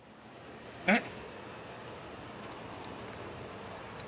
えっ？